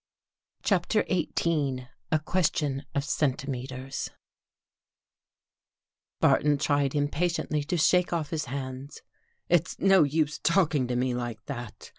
CHAPTER XVIII A QUESTION OF CENTIMETERS B arton tried impatiently to shake off his hands. " It's no use talking to me like that.